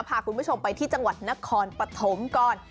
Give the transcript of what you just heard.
พาคุณผู้ชมไปที่จังหวัดนครปฐมก่อน